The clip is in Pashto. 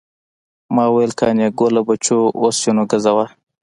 ما ویل قانع ګله بچو اوس یې نو ګزوه.